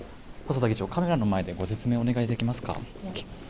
細田議長、カメラの前でご説明をお願いできますか。